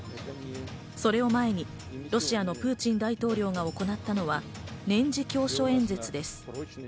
それを前にロシアのプーチン大統領が行ったのは年次教書演説です。